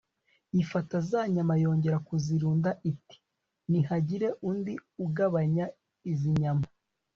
ifata za nyama yongera kuzirunda, iti nihagire undi ugabanya izi nyama